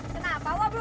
kenapa wah belum menikah